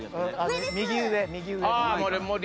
右上右上の。